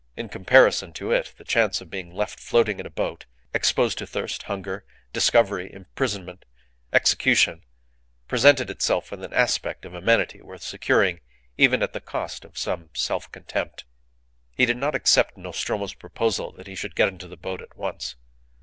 In comparison to it, the chance of being left floating in a boat, exposed to thirst, hunger, discovery, imprisonment, execution, presented itself with an aspect of amenity worth securing even at the cost of some self contempt. He did not accept Nostromo's proposal that he should get into the boat at once.